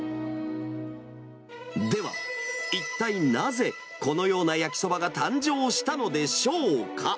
では、一体なぜこのような焼きそばが誕生したのでしょうか。